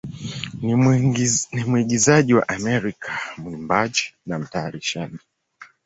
ni mwigizaji wa Amerika, mwimbaji, na mtayarishaji.